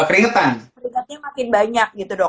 keringetannya makin banyak gitu dok